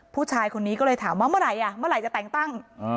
ผู้ชายคนนี้ก็เลยถามว่าเมื่อไหร่อ่ะเมื่อไหร่จะแต่งตั้ง